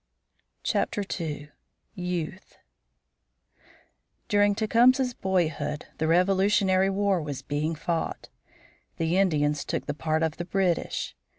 II. YOUTH During Tecumseh's boyhood the Revolutionary war was being fought. The Indians took the part of the British.